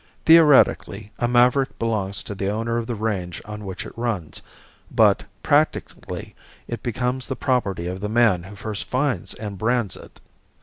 Theoretically, a maverick belongs to the owner of the range on which it runs, but, practically, it becomes the property of the man who first finds and brands it.